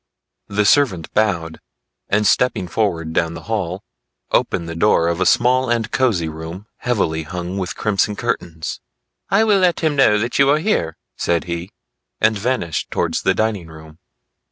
The servant bowed, and stepping forward down the hall, opened the door of a small and cosy room heavily hung with crimson curtains. "I will let him know that you are here," said he, and vanished towards the dining room.